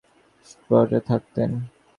তিনি দক্ষিণ ইয়র্কশায়ারের স্প্রটবরোতে থাকতেন।